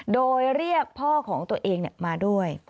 โดยเรียกพ่อของตัวเองมาด้วย